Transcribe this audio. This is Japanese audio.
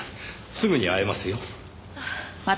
すぐに会えますよ。